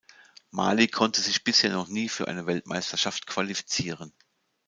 Mali konnte sich bisher noch nie für eine Weltmeisterschaft qualifizieren.